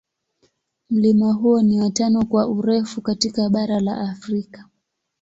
Mlima huo ni wa tano kwa urefu katika bara la Afrika.